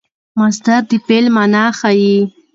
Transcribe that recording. مصدر د فعل مانا ښيي.